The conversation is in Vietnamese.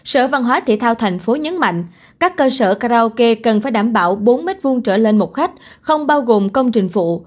sở văn hóa thể thao thành phố nhấn mạnh các cơ sở karaoke cần phải đảm bảo bốn m hai trở lên một khách không bao gồm công trình phụ